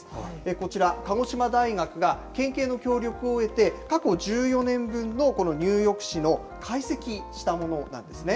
こちら、鹿児島大学が県警の協力を得て、過去１４年分の、この入浴死の解析したものなんですね。